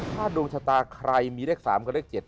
ถ้าดวงชะตาใครมีเลข๓กับเลข๗